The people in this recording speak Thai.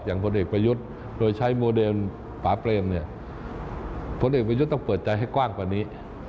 อย่างพลฤกษ์ประยุทธ์โดยใช้โมเดลปาเพลงพลฤกษ์ประยุทธ์ต้องเปิดใจให้กว้างกว่านี้